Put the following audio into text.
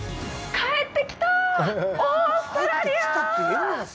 帰ってきたぁ、オーストラリア！